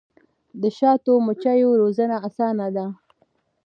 د شاتو مچیو روزنه اسانه ده؟